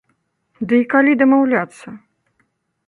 Ды і калі дамаўляцца?